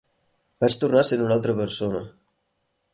Vaig tornar sent una altra persona.